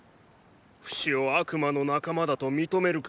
フシを悪魔の仲間だと認めるか。